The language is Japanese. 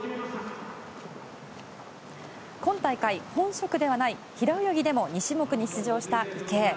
今大会、本職ではない平泳ぎでも２種目に出場した池江。